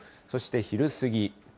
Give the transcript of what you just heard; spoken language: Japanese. そして昼過ぎ。